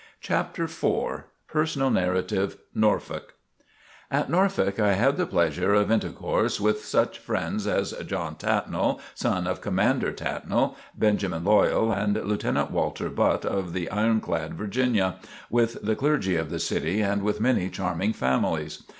CHAPTER IV PERSONAL NARRATIVE NORFOLK At Norfolk I had the pleasure of intercourse with such friends as John Tattnall, son of Commander Tattnall; Benjamin Loyall and Lieutenant Walter Butt of the ironclad "Virginia," with the clergy of the city and with many charming families.